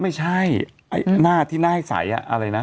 ไม่ใช่หน้าที่หน้าให้ใสอะไรนะ